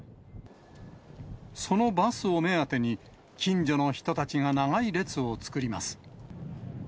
そのバスを目当てに、近所の人たちが長い列を作ります。